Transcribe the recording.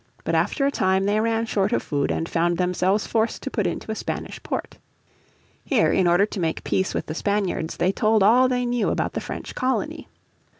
But after a time they ran short of food, and found themselves forced to put into a Spanish port. Here in order to make peace with the Spaniards they told all they knew about the French colony.